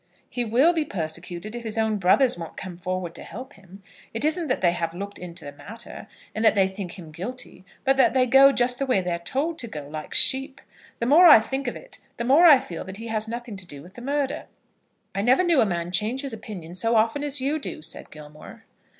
"He will be persecuted if his own brothers won't come forward to help him. It isn't that they have looked into the matter, and that they think him guilty; but that they go just the way they're told to go, like sheep. The more I think of it, the more I feel that he had nothing to do with the murder." "I never knew a man change his opinion so often as you do," said Gilmore.